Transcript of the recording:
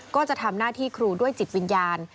ก็จะทำหน้าที่ครูด้วยจิตวิญญาณ